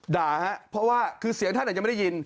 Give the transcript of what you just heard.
ด่าเพราะว่าคือเสียงท่านแหละยังไม่ได้ยิน